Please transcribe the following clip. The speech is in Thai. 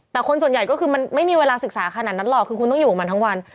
แต่คนส่วนใหญ่ก็คือมันไม่มีเวลาศึกษาขนาดนั้นหรอกคือคุณต้องอยู่กับมันทั้งวัน